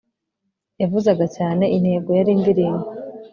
yavuzaga cyane - intego yari indirimbo